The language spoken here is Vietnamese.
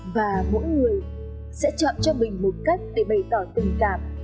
và mỗi người sẽ chọn cho mình một cách để bày tỏ tình cảm